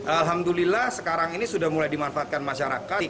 alhamdulillah sekarang ini sudah mulai dimanfaatkan masyarakat